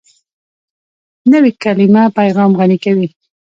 نوې کلیمه پیغام غني کوي